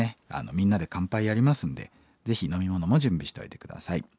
「みんなで乾杯」やりますんでぜひ飲み物も準備しといて下さい。